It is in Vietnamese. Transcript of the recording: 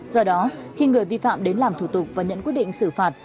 do đó khi người vi phạm đến làm thủ tục và nhận quyết định xử phạt